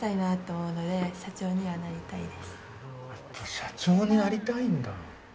社長になりたいんだ。